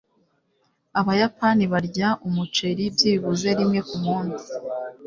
Abayapani barya umuceri byibuze rimwe kumunsi.